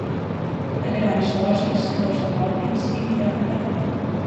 A grans dosis causa vòmits i diarrea.